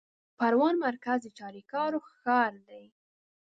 د پروان مرکز د چاریکارو ښار دی